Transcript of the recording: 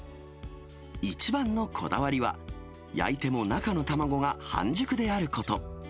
一番のこだわりは、焼いても中の卵が半熟であること。